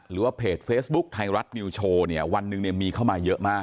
หรือว่าเพจเฟซบุ๊คไทยรัฐนิวโชว์เนี่ยวันหนึ่งเนี่ยมีเข้ามาเยอะมาก